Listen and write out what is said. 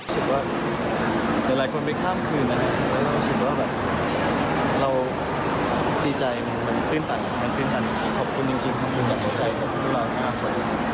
สุดว่าหลายคนไปข้ามคืนนะฮะแล้วเรารู้สึกว่าแบบเราดีใจมันขึ้นทันอยู่ที่ขอบคุณจริงขอบคุณจากใจของพวกเรามากกว่าอย่างนี้